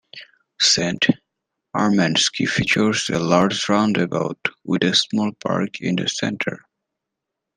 Saint Armands Key features a large roundabout with a small park in the center.